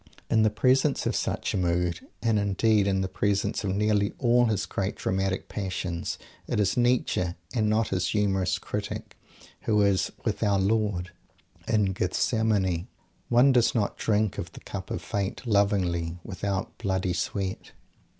In the presence of such a mood, and, indeed, in the presence of nearly all his great dramatic Passions, it is Nietzsche, and not his humorous critic, who is "with Our Lord" in Gethsemane. One does not drink of the cup of Fate "lovingly" without bloody sweat!